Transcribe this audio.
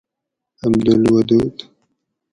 عبدالودود